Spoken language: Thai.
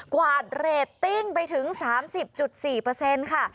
กวาดเรตติ้งไปถึง๓๐๔ค่ะ